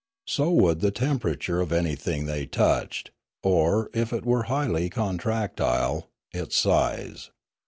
So would the temperature of anything they touched, or, if it were highly contractile, its size.